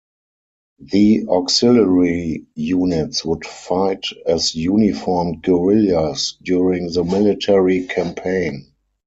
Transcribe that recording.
The Auxiliary Units would fight as uniformed guerrillas during the military campaign.